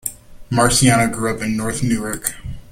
Marciano grew up in north Newark.